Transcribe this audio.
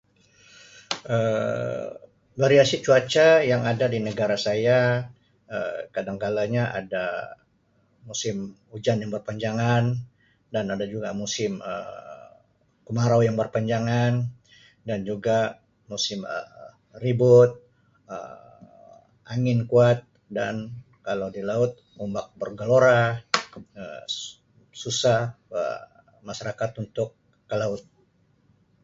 Um Variasi cuaca yang ada di negara saya Um kadangkala nya ada musim hujan yang berpanjangan dan ada juga musim Um kemarau yang berpanjangan dan juga Um musim ribut Um angin kuat dan kalau di laut ombak bergelora Um susah Um masyarakat untuk ke laut.